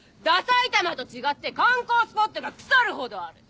埼玉と違って観光スポットが腐るほどある。